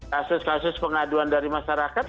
kasus kasus pengaduan dari masyarakat